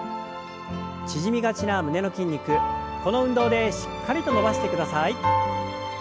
縮みがちな胸の筋肉この運動でしっかりと伸ばしてください。